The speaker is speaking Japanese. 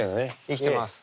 生きてます。